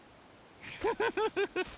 フフフフフ！